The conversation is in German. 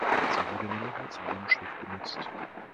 Sie wurde nur noch als Wohnschiff genutzt.